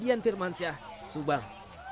dian firmansyah subang